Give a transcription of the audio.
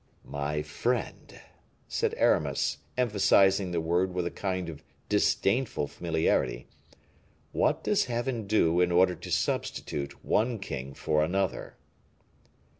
"My friend," said Aramis, emphasizing the word with a kind of disdainful familiarity, "what does Heaven do in order to substitute one king for another?"